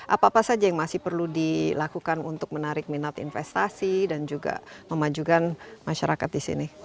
apa apa saja yang masih perlu dilakukan untuk menarik minat investasi dan juga memajukan masyarakat di sini